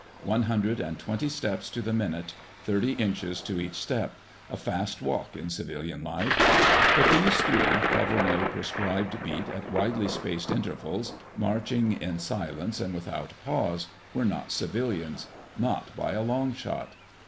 One hundred and twenty steps to the minute, thirty inches to each step—a fast walk, in civilian life. But these three, covering a prescribed beat at widely spaced intervals, marching in silence and without pause, are not civilians. Not by a long shot!